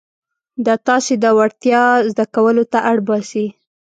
دا تاسې د وړتیاوو زده کولو ته اړ باسي.